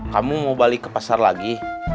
kamu mau balik ke pasar lagi